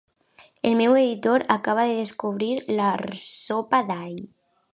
El meu editor acaba de descobrir la sopa d'all.